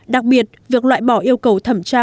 đặc biệt việc loại bỏ yêu cầu thẩm tra